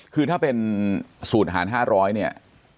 คือถ้าเป็นสูตรหาร๕๐๐เนี่ย